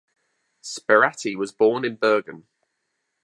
Sperati was born in Bergen.